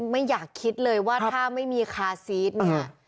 ไม่อยากคิดเลยว่าถ้าไม่มีคาซีสเนี่ย